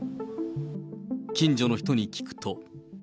近所の人に聞くと。